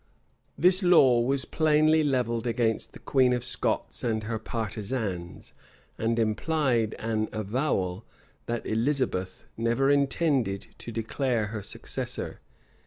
[*] This law was plainly levelled against the queen of Scots and her partisans; and implied an avowal, that Elizabeth never intended to declare her successor.